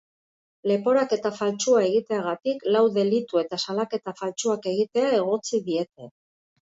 Leporaketa faltsua egiteagatik lau delitu eta salaketa faltsuak egitea egotzi diete.